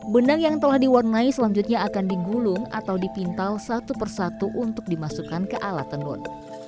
benang yang telah diwarnai selanjutnya akan digulung atau dipintal satu persatu untuk dimasukkan ke alat tenun